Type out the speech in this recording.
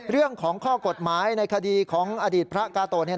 เรื่องของข้อกฎหมายในคดีของอดีตพระกาโต